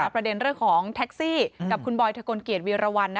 ประเด็นเรื่องของแท็กซี่กับคุณบอยทะกลเกียจวีรวรรณ